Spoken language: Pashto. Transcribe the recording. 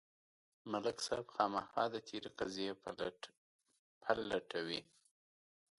ملک صاحب خامخا د تېرې قضیې پل لټوي.